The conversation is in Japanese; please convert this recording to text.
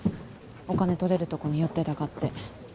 お金取れるとこに寄ってたかって。